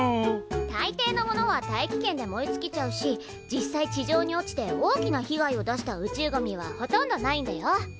たいていのものは大気圏で燃えつきちゃうし実際地上に落ちて大きなひがいを出した宇宙ゴミはほとんどないんだよ。